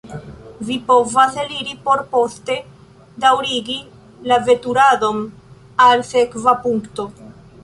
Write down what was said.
Vi povas eliri por poste daŭrigi la veturadon al sekva punkto.